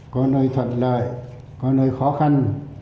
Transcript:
có nơi thuận lợi có nơi khó khăn